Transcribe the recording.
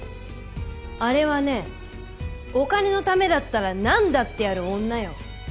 あれはねお金のためだったら何だってやる女よ。